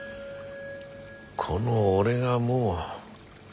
この俺がもう。